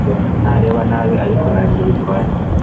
Nareba nabi ariko ntacyo bitwaye